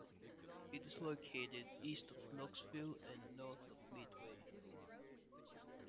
It is located east of Knoxville and north of Midway.